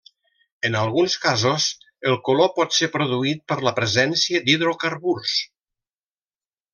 En alguns casos el color pot ser produït per la presència d'hidrocarburs.